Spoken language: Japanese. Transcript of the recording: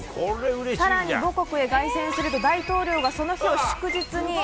更に母国へ凱旋すると大統領が、その日を祝日に。